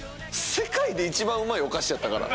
世界で一番うまいお菓子やったから。